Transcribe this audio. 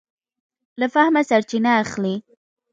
له فهمه سرچینه اخلي.